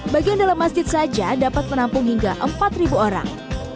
bagian dalam masjid saja dapat menampung hingga empat orang